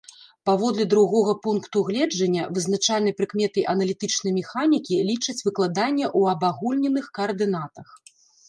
Паводле другога пункту гледжання, вызначальнай прыкметай аналітычнай механікі лічаць выкладанне ў абагульненых каардынатах.